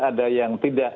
ada yang tidak